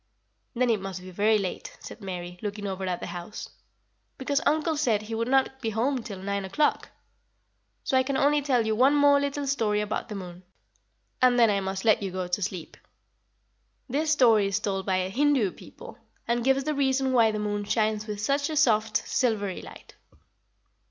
"Then it must be very late," said Mary, looking over at the house; "because uncle said he would not be home till nine o'clock. So I can only tell you one more little story about the moon, and then I must let you go to sleep. This story is told by the Hindoo people, and gives the reason why the moon shines with such a soft, silvery light."